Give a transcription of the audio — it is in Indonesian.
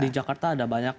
di jakarta ada banyak